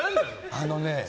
あのね。